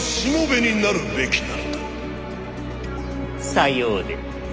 さようで。